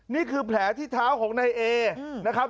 นี่คือแผลติดเท้าของในเอนะครับ